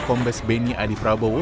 kombes beni adi prabowo